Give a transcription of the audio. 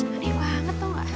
aneh banget tau gak